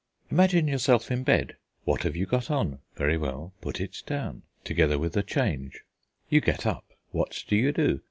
Imagine yourself in bed; what have you got on? Very well, put it down together with a change. You get up; what do you do?